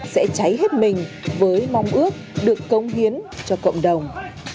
sẽ cháy hết mình với mong ước được công hiến cho cộng đồng